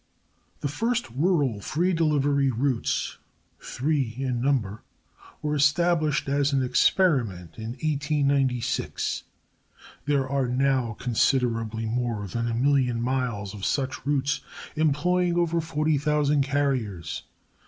The first rural free delivery routes, three in number, were established as an experiment in 1896. There are now considerably more than a million miles of such routes, employing over forty thousand carriers.